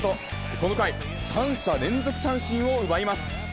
この回、３者連続三振を奪います。